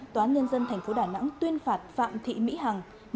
toán nhân dân tp đà nẵng tuyên phạt phạm thị mỹ hằng